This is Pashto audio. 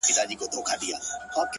ستا د خولې سا ـ